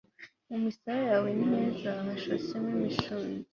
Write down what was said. mu misaya yawe ni heza hashotsemo imishunzi